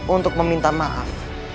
untuk meminta maaf